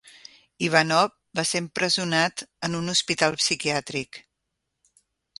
Ivanov va ser empresonat en un hospital psiquiàtric.